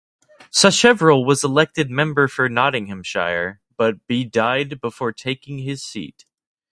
Sacheverell was elected member for Nottinghamshire; but be died before taking his seat.